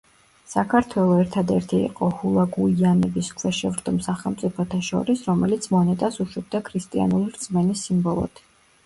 საქართველო ერთადერთი იყო ჰულაგუიანების ქვეშევრდომ სახელმწიფოთა შორის, რომელიც მონეტას უშვებდა ქრისტიანული რწმენის სიმბოლოთი.